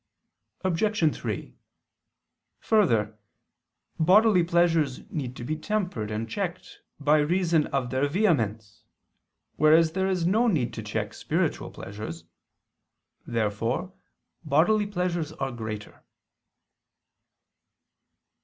Obj. 3: Further, bodily pleasures need to be tempered and checked, by reason of their vehemence: whereas there is no need to check spiritual pleasures. Therefore bodily pleasures are greater.